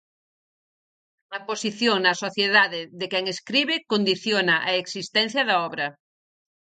A posición na sociedade de quen escribe condiciona a existencia da obra.